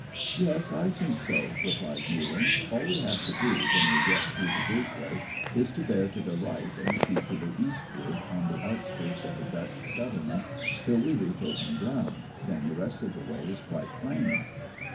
" Yes, I think so,'^ replies Nealance, " all we have to do, when we get through the gateway, is to bear to the right, and keep to the eastward, on the outskirts of the Dutch settlement till we reach open ground, then the rest of the way is quite plain."